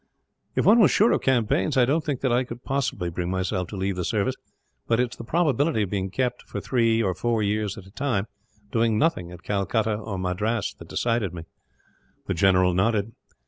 "If one was sure of campaigns, I don't think that I could possibly bring myself to leave the service; but it is the probability of being kept, for three or four years at a time, doing nothing at Calcutta or Madras that decided me." The general nodded.